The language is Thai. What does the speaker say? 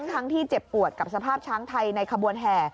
ทั้งที่เจ็บปวดกับสภาพช้างไทยในขบวนแห่